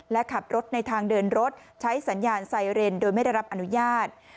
และขับรถในทางเดินรถใช้สัญญาณไซเรนโดยไม่ได้รับอนุญาต